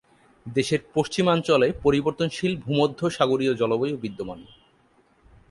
দেশের পশ্চিমাঞ্চলে পরিবর্তনশীল ভূমধ্যসাগরীয় জলবায়ু বিদ্যমান।